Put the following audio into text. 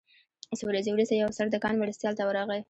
څو ورځې وروسته یو افسر د کان مرستیال ته ورغی